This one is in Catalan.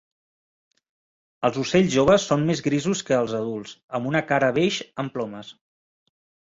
Els ocells joves són més grisos que els adults, amb una cara beix amb plomes.